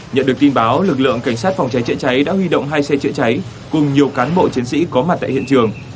nhận được tin báo lực lượng cảnh sát phòng cháy chữa cháy đã huy động hai xe chữa cháy cùng nhiều cán bộ chiến sĩ có mặt tại hiện trường